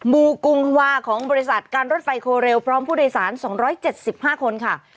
ูกุงวาของบริษัทการรถไฟโคเรลพร้อมผู้โดยสาร๒๗๕คนค่ะ